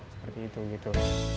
seperti itu gitu